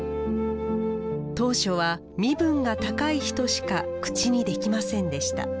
当初は身分が高い人しか口にできませんでした。